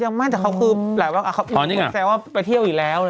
ยังไม่แต่เขาคือแก้วว่าเป็นแท้วีเล้ว